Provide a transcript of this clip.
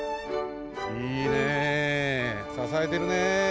いいねささえてるね。